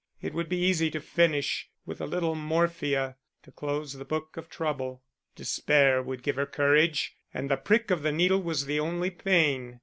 It would be easy to finish, with a little morphia to close the book of trouble; despair would give her courage, and the prick of the needle was the only pain.